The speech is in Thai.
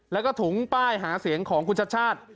แล้วก็ถุงป้ายหาเสียงของคุณชัดชาติ